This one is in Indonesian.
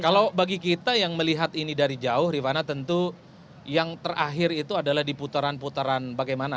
kalau bagi kita yang melihat ini dari jauh rifana tentu yang terakhir itu adalah di putaran putaran bagaimana